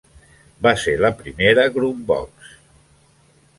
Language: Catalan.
Va ser la primera groovebox.